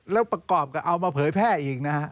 แล้วประกอบกับเอามาเผยแพร่อีกนะฮะ